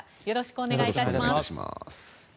よろしくお願いします。